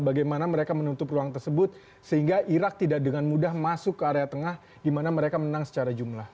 bagaimana mereka menutup ruang tersebut sehingga irak tidak dengan mudah masuk ke area tengah di mana mereka menang secara jumlah